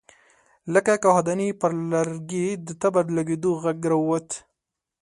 له کاهدانې پر لرګي د تبر د لګېدو غږ را ووت.